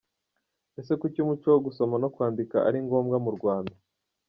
Ese kuki umuco wo gusoma no kwandika ari ngombwa mu Rwanda ?.